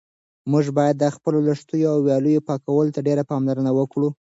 موږ باید د خپلو لښتیو او ویالو پاکوالي ته ډېره پاملرنه وکړو.